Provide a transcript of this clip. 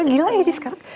gila ini sekarang